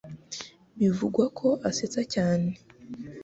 bivugwa ko asetsa cyane